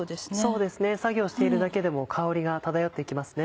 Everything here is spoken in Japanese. そうですね作業しているだけでも香りが漂ってきますね。